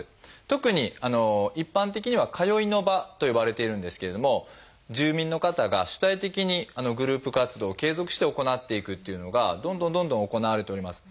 特に一般的には「通いの場」と呼ばれているんですけれども住民の方が主体的にグループ活動を継続して行っていくっていうのがどんどんどんどん行われております。